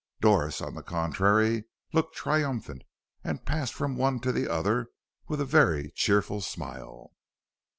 Doris, on the contrary, looked triumphant, and passed from one to the other with a very cheerful smile.